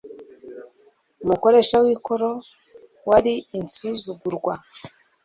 Umukoresha w'ikoro wari insuzugurwa,